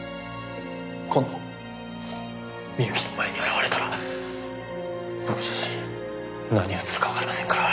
今度深雪の前に現れたら僕自身何をするかわかりませんから。